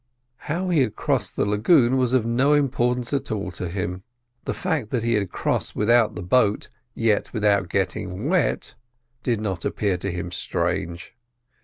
How he had crossed the lagoon was of no importance at all to him; the fact that he had crossed without the boat, yet without getting wet, did not appear to him strange.